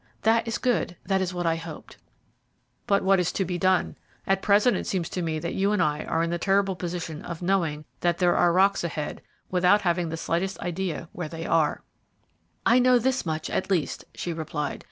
"That is good; that is what I hoped." "But what is to be done? At present it seems to me that you and I are in the terrible position of knowing that there are rocks ahead without having the slightest idea where they are." "I know this much at least," she replied.